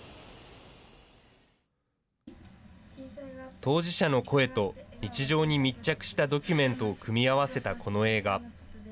当事者の声と、日常に密着したドキュメントを組み合わせたこの映画。